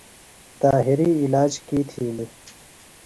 طاہری علاج کی تِھیلیۡ؟